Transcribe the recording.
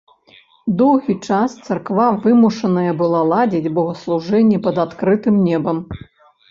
Доўгі час царква вымушаная была ладзіць богаслужэнні пад адкрытым небам.